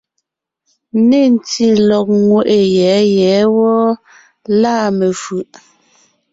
Nê ntí lɔ̀g ńŋeʼe yɛ̌ yɛ̌ wɔ́ɔ, lâ mefʉ̀ʼ.